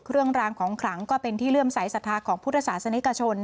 เครื่องรางของขลังก็เป็นที่เลื่อมใสสัทธาของพุทธศาสนิกชน